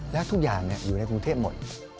แล้วทุกอย่างอยู่ในกรุงเทพหมด